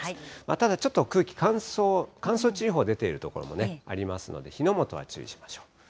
ただちょっと空気乾燥、乾燥注意報出ている所もありますので、火の元は注意しましょう。